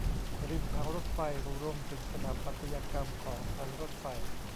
ริมทางรถไฟ รวมถึงสถาปัตยกรรมของสถานีรถไฟ